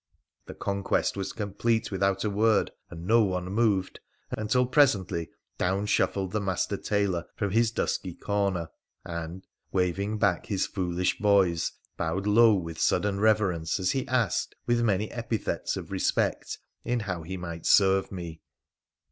The conquest was complete without a word, and no one moved, until presently down shuffled the master tailor from his dusky corner, and, waving back his foolish boys, bowed low with sudden reverence as he asked with many epithets of respect in how he might serve me.